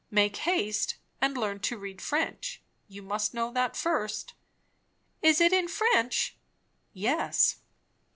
Make haste and learn to read French. You must know that first." "Is it in French?" "Yes."